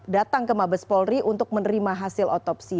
datang ke mabes polri untuk menerima hasil otopsi